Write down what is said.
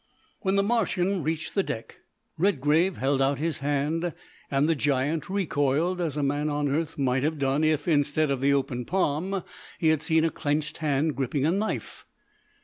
When the Martian reached the deck, Redgrave held out his hand and the giant recoiled, as a man on earth might have done if, instead of the open palm, he had seen a clenched hand gripping a knife.